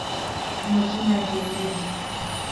Majina ya kienyeji